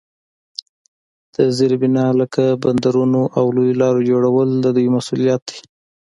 د زیربنا لکه بندرونو او لویو لارو جوړول د دوی مسوولیت وو.